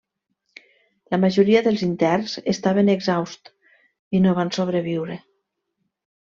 La majoria dels interns estaven exhausts i no van sobreviure.